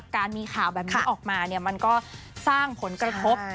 การมีข่าวแบบนี้ออกมามันก็สร้างผลกระทบ